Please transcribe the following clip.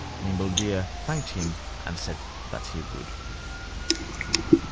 Nimble Deer thanked him and said that he would.